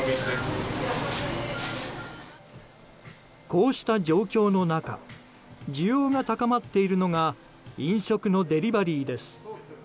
こうした状況の中需要が高まっているのが飲食のデリバリーです。